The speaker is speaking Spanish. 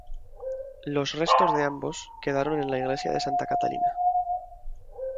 Los restos de ambos quedaron en la Iglesia de Santa Catalina.